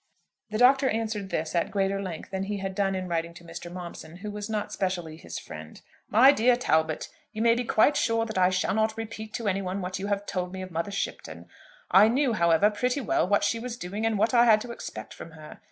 The Doctor answered this at greater length than he had done in writing to Mr. Momson, who was not specially his friend. "MY DEAR TALBOT, You may be quite sure that I shall not repeat to any one what you have told me of Mother Shipton. I knew, however, pretty well what she was doing and what I had to expect from her.